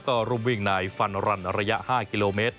ก็ร่วมวิ่งในฟันรันระยะ๕กิโลเมตร